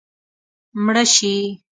مړه شي